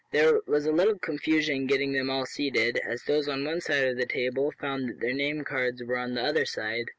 There was a little confusion getting them all seated, as those on one side of the table found that their name cards were on the other side.